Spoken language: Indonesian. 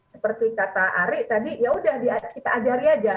seperti kata ari tadi ya sudah kita ajarin saja